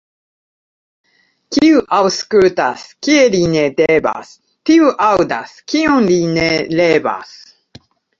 Kiu aŭskultas, kie li ne devas, tiu aŭdas, kion li ne revas.